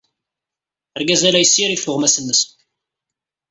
Argaz-a la yessirid tuɣmas-nnes.